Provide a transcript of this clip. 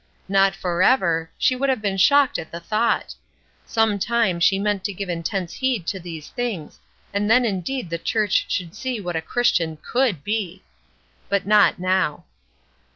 Not forever, she would have been shocked at the thought. Some time she meant to give intense heed to these things, and then indeed the church should see what a Christian could be! But not now.